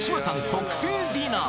特製ディナー